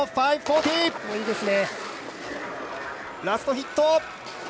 ラストヒット